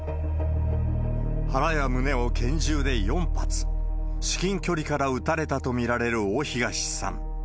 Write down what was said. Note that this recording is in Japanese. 腹や胸を拳銃で４発、至近距離から撃たれたと見られる大東さん。